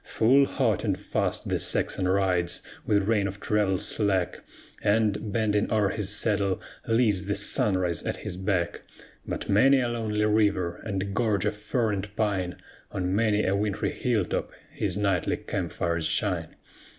Full hot and fast the Saxon rides, with rein of travel slack, And, bending o'er his saddle, leaves the sunrise at his back; By many a lonely river, and gorge of fir and pine, On many a wintry hill top, his nightly camp fires shine.